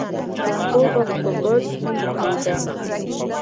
جانکو به په برج کې ويدېده.